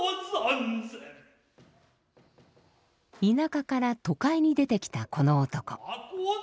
田舎から都会に出てきたこの男。